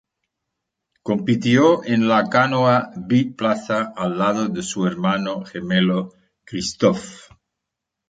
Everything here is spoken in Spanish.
Compitió en la canoa biplaza al lado de su hermano gemelo Christophe.